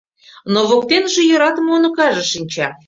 Но воктеныже йӧратыме уныкаже шинча.